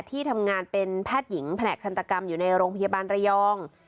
ที่ทำงานเป็นแพทย์หญิงแผนกทันตกรรมอยู่ในโรงพยาบาลระยอง